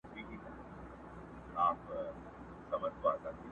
غړومبهارى د ټوپكو د توپو سو!!